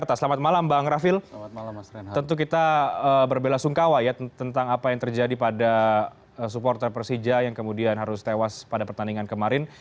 tentu kita berbela sungkawa ya tentang apa yang terjadi pada supporter persija yang kemudian harus tewas pada pertandingan kemarin